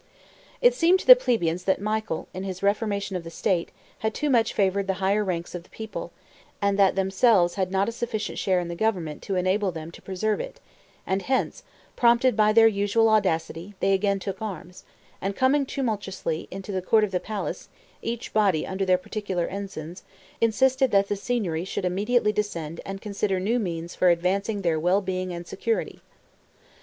It seemed to the plebeians that Michael, in his reformation of the state, had too much favored the higher ranks of the people, and that themselves had not a sufficient share in the government to enable them to preserve it; and hence, prompted by their usual audacity, they again took arms, and coming tumultuously into the court of the palace, each body under their particular ensigns, insisted that the Signory should immediately descend and consider new means for advancing their well being and security.